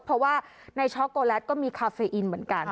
เพราะว่าในช็อกโกแลตก็มีคาเฟอินเหมือนกัน